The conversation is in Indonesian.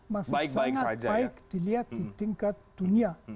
masih sangat baik dilihat di tingkat dunia